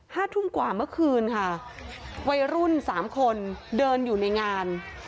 ห้าทุ่มกว่าเมื่อคืนค่ะวัยรุ่นสามคนเดินอยู่ในงาน